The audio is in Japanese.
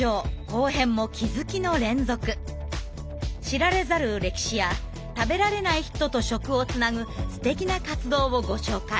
知られざる歴史や食べられない人と食をつなぐすてきな活動をご紹介。